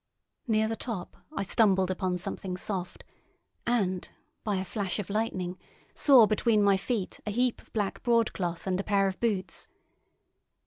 Near the top I stumbled upon something soft, and, by a flash of lightning, saw between my feet a heap of black broadcloth and a pair of boots.